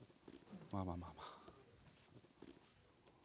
まあまあまあまあ。